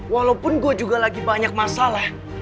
walaupun gue juga lagi banyak masalah